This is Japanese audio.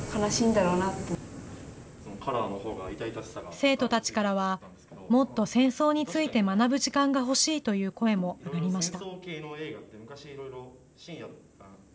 生徒たちからは、もっと戦争について学ぶ時間が欲しいという声も上がりました。